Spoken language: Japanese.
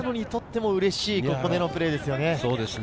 肥田野にとってもうれしいここでのプレーですよね。